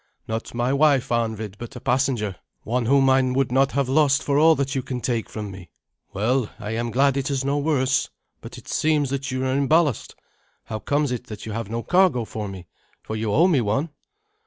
"Not my wife, Arnvid, but a passenger one whom I would not have lost for all that you can take from me." "Well, I am glad it is no worse. But it seems that you are in ballast. How comes it that you have no cargo for me, for you owe me one?"